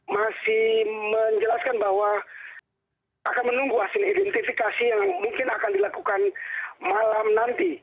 masih menjelaskan bahwa akan menunggu hasil identifikasi yang mungkin akan dilakukan malam nanti